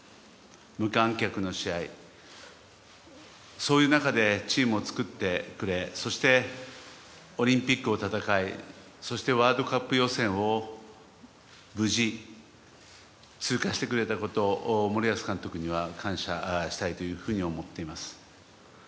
無観客の試合そういう中でチームを作ってくれそして、オリンピックを戦いそしてワールドカップ予選を無事、通過してくれたことを森保監督には感謝したいというふうに思っています。